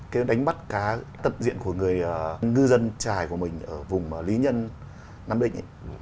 cái đánh bắt cá tận diện của người ngư dân trài của mình ở vùng lý nhân nam định